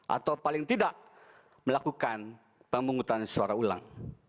atau paling tidak melakukan pemungutan suara ulang